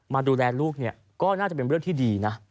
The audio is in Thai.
มาดูแลลูกเนี่ยก็น่าจะเป็นเรื่องที่ดีนะ